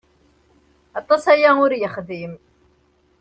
Aṭas aya ur yexdim.